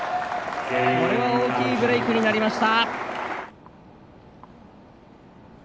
これは大きいブレークになりました。